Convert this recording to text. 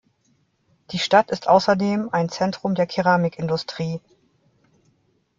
Die Stadt ist außerdem ein Zentrum der Keramikindustrie.